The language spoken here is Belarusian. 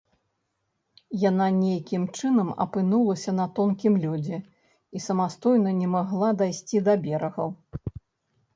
Яна нейкім чынам апынулася на тонкім лёдзе і самастойна не магла дайсці да берагу.